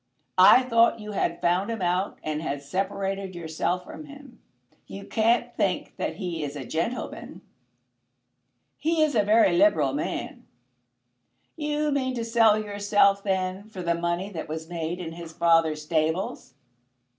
I thought you had found him out and had separated yourself from him. You can't think that he is a gentleman?" "He is a very liberal man." "You mean to sell yourself, then, for the money that was made in his father's stables?"